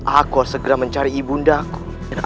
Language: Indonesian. aku harus segera mencari ibu undaku